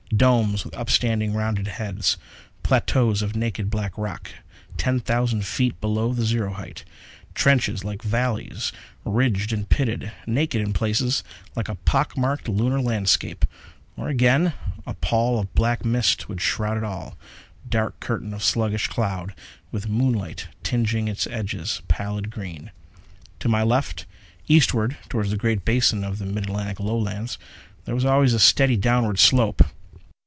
Domes with upstanding, rounded heads; plateaus of naked black rock, ten thousand feet below the zero height; trenches, like valleys, ridged and pitted, naked in places like a pockmarked lunar landscape. Or again, a pall of black mist would shroud it all, dark curtain of sluggish cloud with moonlight tinging its edges pallid green. To my left, eastward toward the great basin of the mid Atlantic Lowlands, there was always a steady downward slope.